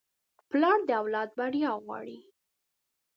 پلار د اولاد بریا غواړي.